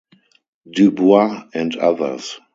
Du Bois and others.